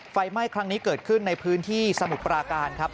ไฟไหม้ครั้งนี้เกิดขึ้นในพื้นที่สมุทรปราการครับ